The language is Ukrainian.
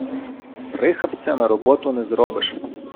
Прихапцями роботу не зробиш.